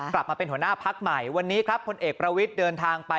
กลับมาเป็นหัวหน้าพักใหม่วันนี้ครับพลเอกประวิทย์เดินทางไป